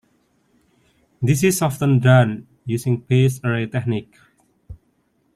This is often done using phased array techniques.